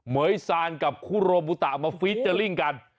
เหยซานกับคุโรบุตะมาฟีเจอร์ลิ่งกัน